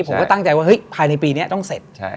ผมก็ตั้งใจว่าเฮ้ยภายในปีนี้ต้องเสร็จ